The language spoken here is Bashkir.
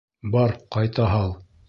Бар, ҡайта һал!